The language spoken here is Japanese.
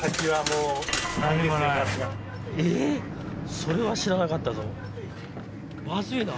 それは知らなかったぞ。